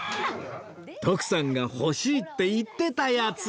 徳さんが欲しいって言ってたやつ